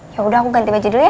yaudah aku ganti baju dulu ya